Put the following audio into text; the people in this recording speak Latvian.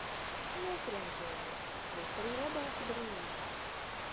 Nekreņķējies! Būs arī labāki brīži!